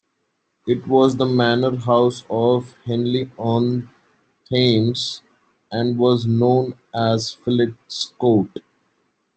It was the manor house of Henley-on-Thames and was known as "Fillets Court".